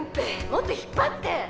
もっと引っ張って！